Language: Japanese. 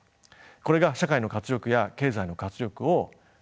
これが社会の活力や経済の活力を奪っている。